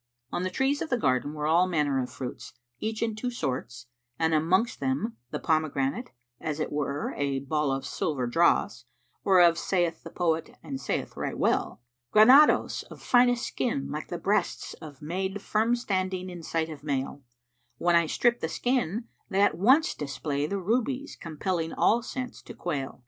On the trees of the garden were all manner fruits, each in two sorts, and amongst them the pomegranate, as it were a ball of silver dross,[FN#385] whereof saith the poet and saith right well, "Granados of finest skin, like the breasts * Of maid firm standing in sight of male; When I strip the skin, they at once display * The rubies compelling all sense to quail."